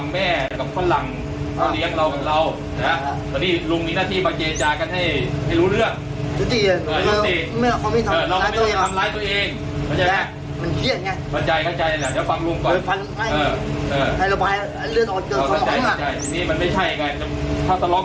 มันต้องมีคนกลางคุยอย่างเรื่องลุงไง